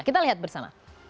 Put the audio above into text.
kita lihat bersama